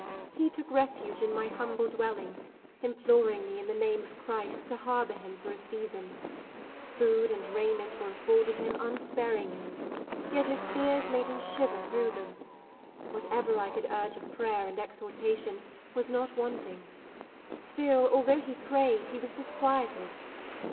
He took refuge in my humble dwelling, imploring me in the name of Christ to harbour him for a season. Food and raiment were afforded him unsparingly ; yet his fears made him shiver through them. Whatever I could urge of prayer and exhortation was not wanting ; still, although he prayed, he was disquieted.